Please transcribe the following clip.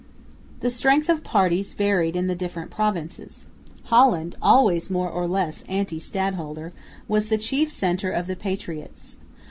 The strength of parties varied in the different provinces. Holland, always more or less anti stadholder, was the chief centre of the patriots.